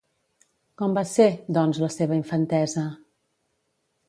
Com va ser, doncs, la seva infantesa?